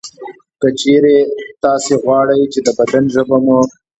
که چېرې تاسې غواړئ چې د بدن ژبه مو